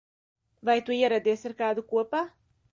Vai tu ieradies ar kādu kopā?